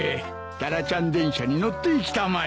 タラちゃん電車に乗っていきたまえ。